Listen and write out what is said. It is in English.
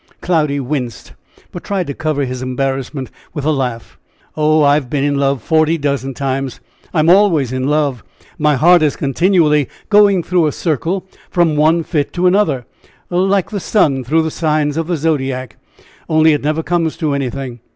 Cloudy winced, but tried to cover his embarrassment with a laugh. "Oh! I have been in love forty dozen times. I'm always in love; my heart is continually going through a circle from one fit to another, like the sun through the signs of the zodiac; only it never comes to anything."